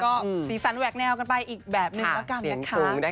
ก็สีสันแหวกแนวกันไปอีกแบบนึงแล้วกันนะคะ